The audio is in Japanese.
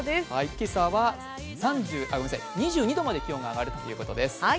今朝は２２度まで気温が上がるということです。